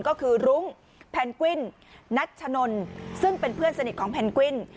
ก็คือรุ้งแพนกวินัชนนซึ่งเป็นเพื่อนสนิทของแพนกวิน